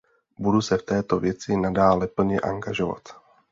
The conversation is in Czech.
Budu se v této věci nadále plně angažovat.